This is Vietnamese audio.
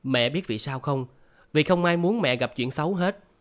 mẹ biết vì sao không vì không ai muốn mẹ gặp chuyện xấu hết